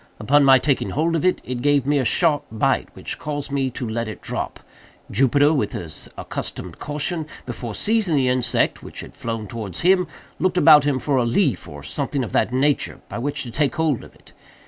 Upon my taking hold of it, it gave me a sharp bite, which caused me to let it drop. Jupiter, with his accustomed caution, before seizing the insect, which had flown towards him, looked about him for a leaf, or something of that nature, by which to take hold of it.